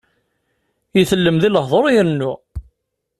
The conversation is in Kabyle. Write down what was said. Itellem di lehduṛ, irennu.